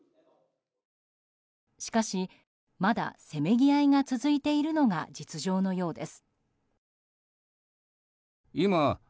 しかし、まだせめぎ合いが続いているのが実情のようです。